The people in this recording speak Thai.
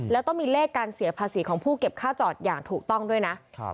แล้วต้องมีเลขการเสียภาษีของผู้เก็บค่าจอดอย่างถูกต้องด้วยนะ